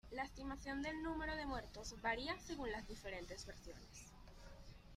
La estimación del número de muertos varía según las diferentes versiones.